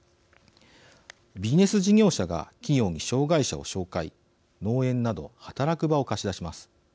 ビジネス事業者が企業に障害者を紹介農園など働く場を貸し出します。